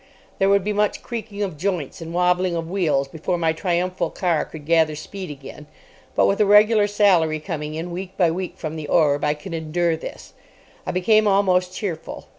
There would be much creaking of joints and wobbling of wheels before my triumphal car could gather speed again. But, with a regular salary coming in week by week from the Orb, I could endure this. I became almost cheerful.